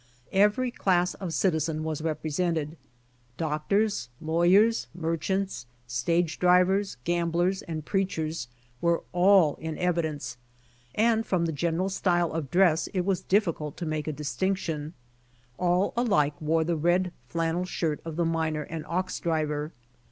Every class of citizen was represented. Doctors, lawyers, merchants, stage drivers, gamblers and preachers, THE PARTING WITH MY BROTHER 57 were all in evidence and from the general sty'e of dress it was difficult to make a distinction. All alike wore the red flannel shirt of the miner and ox driver.